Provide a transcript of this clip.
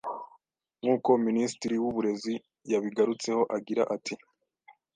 Nk’uko Minisitiri w’Uburezi yabigarutseho agira ati